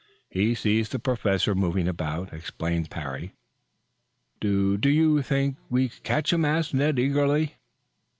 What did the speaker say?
He sees the Professor moving about," explained Parry. "Do do you think we could catch him?" asked Ned eagerly.